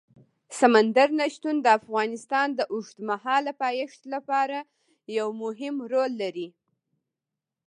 سمندر نه شتون د افغانستان د اوږدمهاله پایښت لپاره یو مهم رول لري.